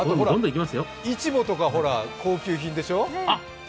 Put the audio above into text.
イチボとか高級品でしょ。